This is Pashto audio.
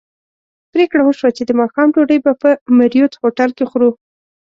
پرېکړه وشوه چې د ماښام ډوډۍ به په مریوټ هوټل کې خورو.